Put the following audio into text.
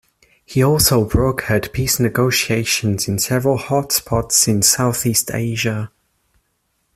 He also brokered peace negotiations in several hot spots in Southeast Asia.